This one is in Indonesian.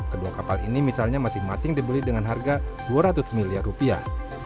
kedua kapal ini misalnya masing masing dibeli dengan harga dua ratus miliar rupiah